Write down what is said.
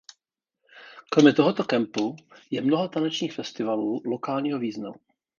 Kromě tohoto kempu je mnoho tanečních festivalů lokálního významu.